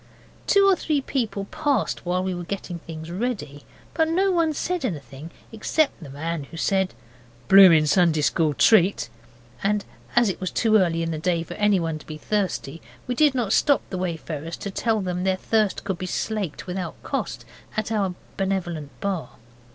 Two or three people passed while we were getting things ready, but no one said anything except the man who said, 'Bloomin' Sunday school treat', and as it was too early in the day for anyone to be thirsty we did not stop the wayfarers to tell them their thirst could be slaked without cost at our Benevolent Bar.